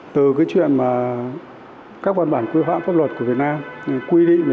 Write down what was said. từ cái chuyện mà các văn bản quy hoạm pháp luật của việt nam quy định